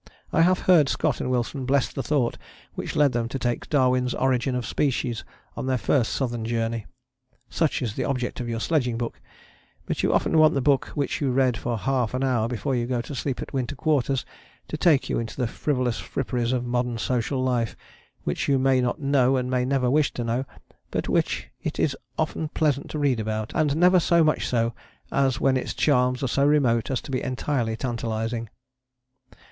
I have heard Scott and Wilson bless the thought which led them to take Darwin's Origin of Species on their first Southern Journey. Such is the object of your sledging book, but you often want the book which you read for half an hour before you go to sleep at Winter Quarters to take you into the frivolous fripperies of modern social life which you may not know and may never wish to know, but which it is often pleasant to read about, and never so much so as when its charms are so remote as to be entirely tantalizing.